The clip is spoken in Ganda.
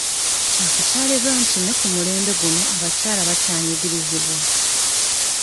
Kya kusaalirwa nti ne ku mulembe guno abakyala bakyanyigirizibwa.